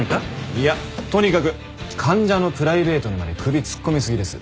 いやとにかく患者のプライベートにまで首突っ込みすぎです。